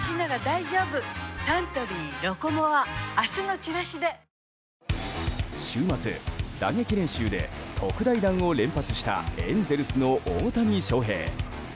フラミンゴ週末、打撃練習で特大弾を連発したエンゼルスの大谷翔平。